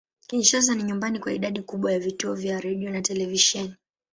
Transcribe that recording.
Kinshasa ni nyumbani kwa idadi kubwa ya vituo vya redio na televisheni.